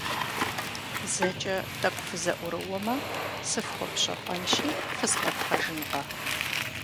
ЗэкӀэ тӀэкӀу фызэӀурыумэ, сыфхуэпщэфӀэнщи, фызгъэтхъэжынкъэ.